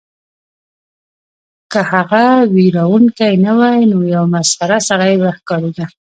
که هغه ویرونکی نه وای نو یو مسخره سړی به ښکاریده